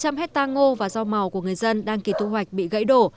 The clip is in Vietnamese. hơn ba trăm linh hectare ngô và rau màu của người dân đang kỳ thu hoạch bị gãy đổ